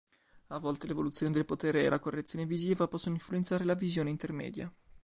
A volte l'evoluzione del potere e la correzione visiva possono influenzare la visione intermedia.